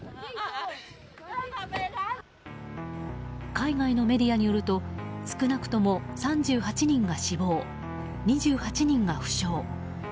海外のメディアによると少なくとも３８人が死亡２８人が負傷。